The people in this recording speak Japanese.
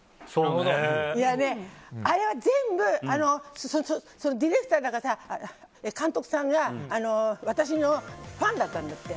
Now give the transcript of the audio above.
あれは全部ディレクターだか監督さんが私のファンだったんだって。